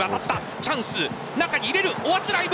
チャンス、中に入れる。